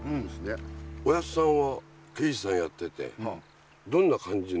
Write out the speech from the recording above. おやっさんは刑事さんやっててどんな感じのお仕事なさってたの？